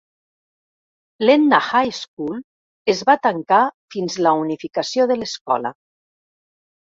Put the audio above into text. L'Edna High School es va tancar fins la unificació de l'escola.